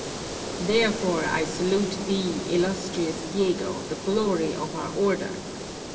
"Therefore, I salute thee, illustrious Diego, the glory of our Order!